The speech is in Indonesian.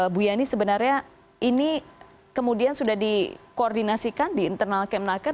bu yani sebenarnya ini kemudian sudah dikoordinasikan di internal kemnaker